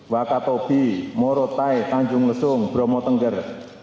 wakatobi morotai tanjung lesung bromo tengger